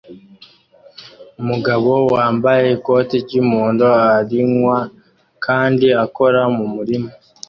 Umugabo wambaye ikoti ry'umuhondo arinywa kandi akora mumurima